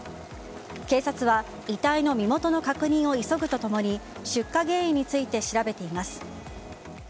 警察は、遺体の身元の確認を急ぐと共に出火原因について調べています。